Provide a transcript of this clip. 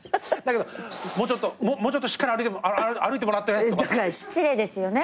「もうちょっともうちょっとしっかりあ歩いてもらって」だから失礼ですよね。